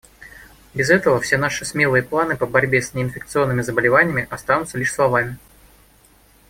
Без этого все наши смелые планы по борьбе с неинфекционными заболеваниями останутся лишь словами.